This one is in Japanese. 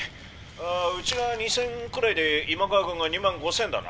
あうちが２，０００くらいで今川軍が２万５，０００だな」。